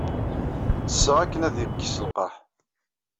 Ttesseɣ akken ad kkseɣ lqerḥ.